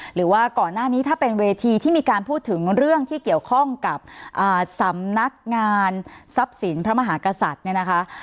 หรือว่าก่อนหน้านี้ถ้าเป็นเวทีที่มีการพูดถึงเรื่องที่เกี่ยวข้องกับสำนักงานทรัพย์สินพระมหากษัตริย์เนี่ยนะคะ